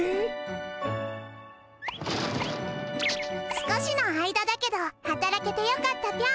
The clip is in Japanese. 少しの間だけどはたらけてよかったぴょん。